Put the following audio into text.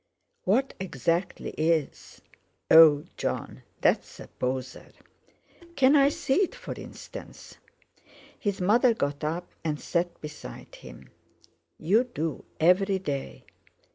"What exactly is—Oh! Jon, that's a poser." "Can I see it, for instance?" His mother got up, and sat beside him. "You do, every day.